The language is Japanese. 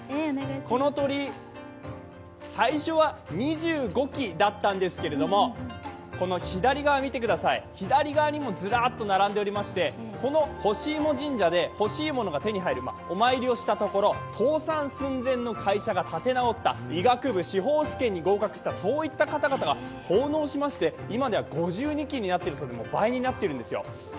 この鳥居、最初は２５基だったんですけども、この左側見てください、左側にもずらっと並んでおりましてほしいも神社で欲しいものが手に入ると、お参りをしたところ、倒産寸前の会社が立て直った医学部、司法試験に合格した、そういった方々が奉納しまして、今では５２基になっているそうで倍になっているんですよ。